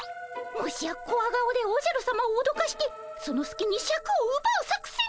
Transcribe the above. もしやコワ顔でおじゃるさまをおどかしてそのすきにシャクをうばう作戦？